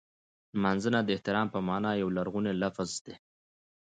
نمځنه د احترام په مانا یو لرغونی لفظ دی.